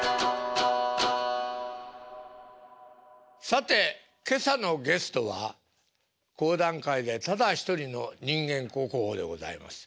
さて今朝のゲストは講談界でただ一人の人間国宝でございます